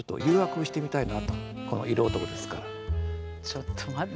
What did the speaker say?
ちょっと待って。